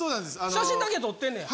写真だけ撮ってんねや。